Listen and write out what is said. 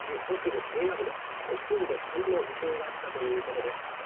北部平野部で、震度３の地震があったということです。